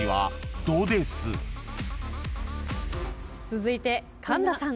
続いて神田さん。